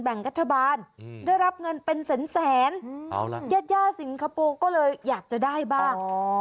แบ่งกริจบาลได้รับเงินเป็น๑๐แสนยาสิงคโปรลก็เลยอยากจะได้บ้าง